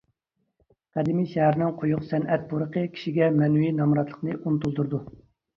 قەدىمىي شەھەرنىڭ قويۇق سەنئەت پۇرىقى كىشىگە مەنىۋى نامراتلىقنى ئۇنتۇلدۇرىدۇ.